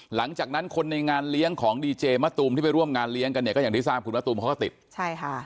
หลังจากนั้นคนในงานเลี้ยงของดีเจมะตูมที่ไปร่วมงานเลี้ยงกันเนี่ยก็อย่างที่ทราบคุณมะตูมเขาก็ติดใช่ค่ะ